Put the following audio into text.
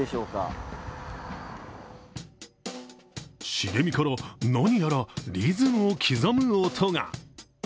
茂みから、何やらリズムを刻む音が。